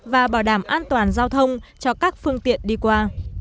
và bảo đảm an toàn giao thông cho các phương tiện đi qua